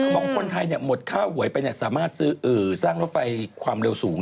บอกคนไทยหมดค่าหวยไปสามารถซื้อสร้างรถไฟความเร็วสูง